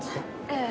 ええ。